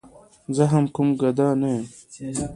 زه هم کوم ګدا نه یم.